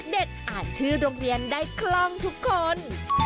อ่านชื่อโรงเรียนได้คล่องทุกคน